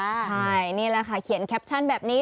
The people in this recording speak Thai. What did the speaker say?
ใช่นี่แหละค่ะเขียนแคปชั่นแบบนี้